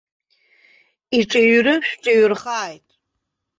Иҿыҩры шәҿыҩрхааит!